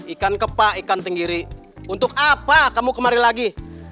ikan kepa ikan tenggiri untuk apa kamu kemari lagi